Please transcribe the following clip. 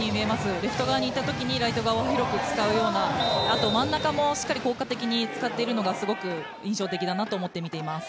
レフト側にいたときにライト側を広く使うような真ん中もしっかり効果的に使っているのが印象的だなと思って見ています。